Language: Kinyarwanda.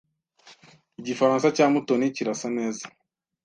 Igifaransa cya Mutoni kirasa neza.